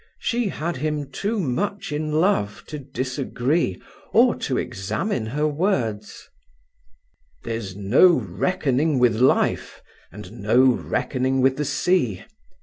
She had him too much in love to disagree or to examine her words. "There's no reckoning with life, and no reckoning with the sea.